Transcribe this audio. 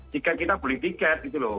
jika kita beli tiket gitu loh